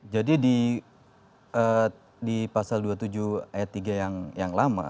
jadi di pasal dua puluh tujuh e tiga yang lama